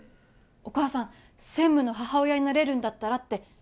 お母さん専務の母親になれるんだったらって